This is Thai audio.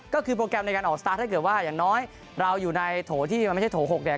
ก็คือโปรแกรมในการออกสตาร์ทถ้าเกิดว่าอย่างน้อยเราอยู่ในโถที่มันไม่ใช่โถ๖เนี่ย